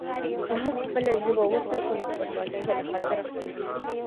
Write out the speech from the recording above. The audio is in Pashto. که موږ خپله ژبه وساتو، نو خپلواکي به له خطره خوندي وي.